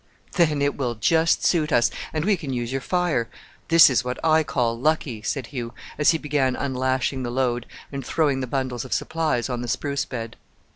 "Then it will just suit us, and we can use your fire. This is what I call lucky," said Hugh, as he began unlashing the load and throwing the bundles of supplies on the spruce bed.